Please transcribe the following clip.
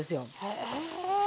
へえ。